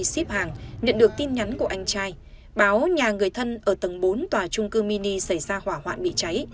ship hàng nhận được tin nhắn của anh trai báo nhà người thân ở tầng bốn tòa trung cư mini xảy ra hỏa hoạn bị cháy